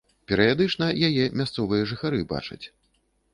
Перыядычна яе мясцовыя жыхары бачаць.